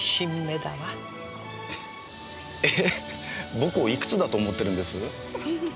僕をいくつだと思ってるんです？